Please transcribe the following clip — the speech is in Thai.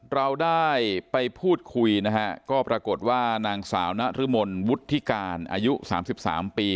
เราได้ไปพูดคุยนะฮะก็ปรากฏว่านางสาวนรมนวุฒิการอายุ๓๓ปี